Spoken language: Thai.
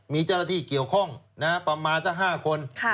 มีเจ้าหน้าที่เกี่ยวข้องประมาณสัก๕คน